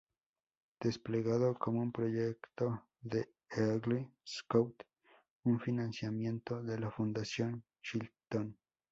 Desplegado como un proyecto de Eagle Scout, con financiamiento de la Fundación Chilton.